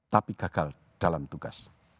tapi gagal dalam tugas